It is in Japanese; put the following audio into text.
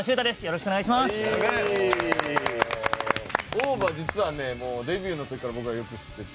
ＯＷＶは実はねデビューの時から僕はよく知ってて。